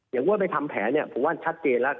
อย่างกว่าไปทำแผนพูดว่าชัดเจนล่ะ